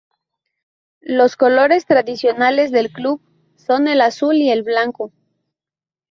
Los colores tradicionales del club son el azul y el blanco.